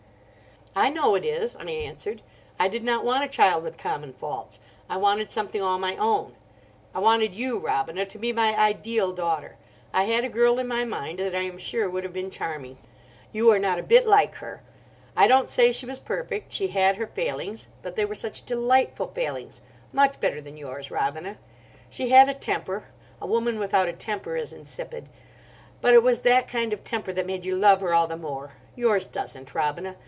"I know it is," I answered. "I did not want a child with common faults. I wanted something all my own. I wanted you, Robina, to be my ideal daughter. I had a girl in my mind that I am sure would have been charming. You are not a bit like her. I don't say she was perfect, she had her failings, but they were such delightful failings—much better than yours, Robina. She had a temper—a woman without a temper is insipid; but it was that kind of temper that made you love her all the more. Yours doesn't, Robina.